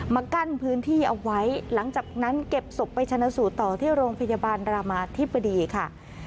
กั้นพื้นที่เอาไว้หลังจากนั้นเก็บศพไปชนะสูตรต่อที่โรงพยาบาลรามาธิบดีค่ะ